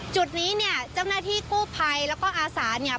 จุดนี้เนี่ยเจ้าหน้าที่กู้ภัยแล้วก็อาสาเนี่ย